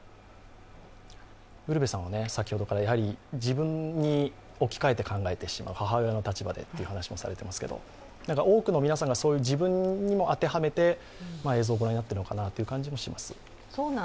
ウルヴェさん、先ほどから自分に置き換えて考えてしまう、母親の立場でとおっしゃってましたけど多くの皆さんが自分にも当てはめて映像を御覧になってるのかなという気もします。